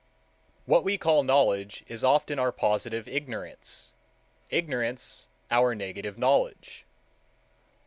What we call knowledge is often our positive ignorance; ignorance our negative knowledge.